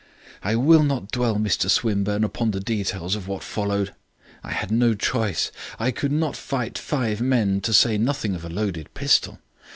"I will not dwell, Mr Swinburne, upon the details of what followed. I had no choice. I could not fight five men, to say nothing of a loaded pistol.